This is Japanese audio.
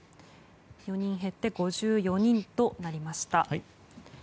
４人減って５４人となりました。